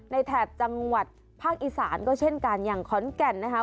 แถบจังหวัดภาคอีสานก็เช่นกันอย่างขอนแก่นนะคะ